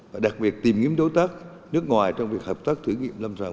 và đặc biệt tìm kiếm đối tác nước ngoài trong việc hợp tác thử nghiệm lâm sàng